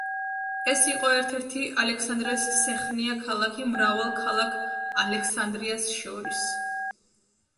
ეს იყო ერთ-ერთი ალექსანდრეს სეხნია ქალაქი მრავალ ქალაქ ალექსანდრიას შორის.